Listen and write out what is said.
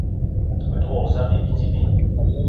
Me te wok zam ayi bidi bi.